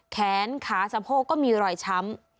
แขนขาสะโพกก็มีรอยช้ำ